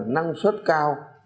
năng suất cao